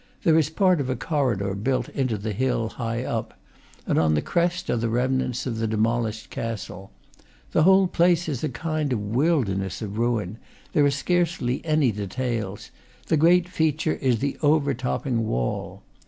There is part of a corridor built into the hill, high up, and on the crest are the remnants of the demolished castle. The whole place is a kind of wilderness of ruin; there are scarcely any details; the great feature is the overtopping wall.